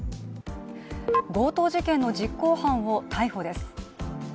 強盗事件の実行犯を逮捕です。